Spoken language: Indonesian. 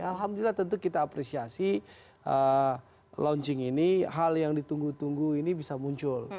alhamdulillah tentu kita apresiasi launching ini hal yang ditunggu tunggu ini bisa muncul